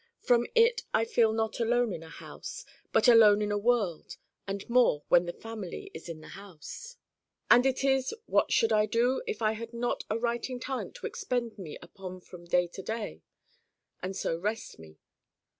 From it I feel not alone in a house but alone in a world: and more when the family is in the house. And it is what should I do if I had not a writing talent to expend me upon from day to day, and so rest me.